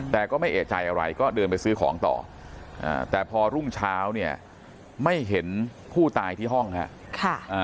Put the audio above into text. แต่ก็ไม่เอกใจอะไรก็เดินไปซื้อของต่อแต่พอรุ่งเช้าเนี่ยไม่เห็นผู้ตายที่ห้องครับ